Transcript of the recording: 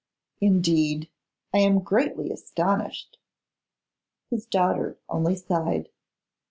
'Indeed! I am greatly astonished.' His daughter only sighed.